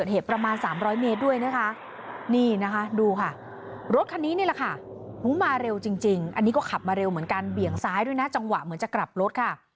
หน้าจังหวะเหมือนจะกลับรถค่ะ